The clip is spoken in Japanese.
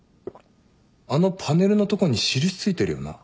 あのパネルのとこに印付いてるよな？